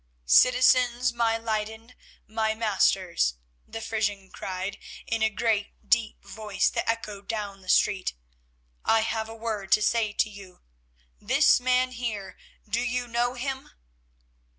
"Citizens of Leyden, my masters," the Frisian cried, in a great, deep voice that echoed down the street, "I have a word to say to you. This man here—do you know him?"